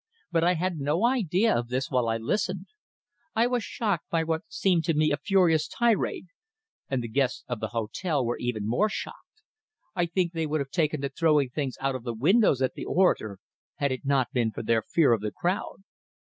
But I had no idea of this while I listened; I was shocked by what seemed to me a furious tirade, and the guests of the hotel were even more shocked I think they would have taken to throwing things out of the windows at the orator, had it not been for their fear of the crowd.